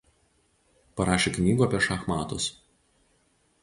Parašė knygų apie šachmatus.